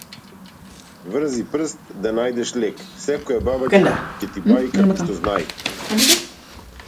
Врзи прст да најдеш лек, секоја баба ќе ти баи како што знаи.